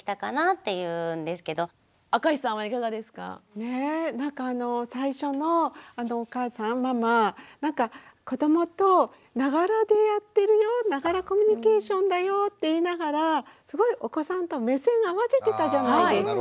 ねえなんか最初のお母さんママなんか「子どもとながらでやってるよながらコミュニケーションだよ」って言いながらすごいお子さんと目線合わせてたじゃないですか。